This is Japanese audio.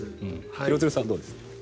廣津留さん、どうですか。